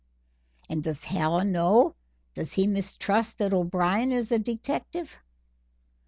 "And does Hallen know, does he mistrust that O'Brien is a detective?"